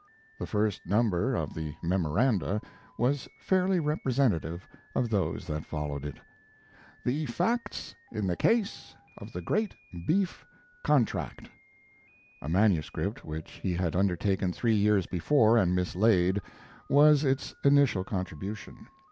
The first number of the "Memoranda" was fairly representative of those that followed it. "The Facts in the Case of the Great Beef Contract," a manuscript which he had undertaken three years before and mislaid, was its initial contribution.